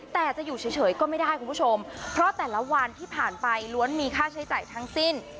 แต่จะอยู่เฉยก็ไม่ได้คุณผู้ชมเพราะแต่ละวันที่ผ่านไปล้วนมีค่าใช้จ่ายทั้งสิ้น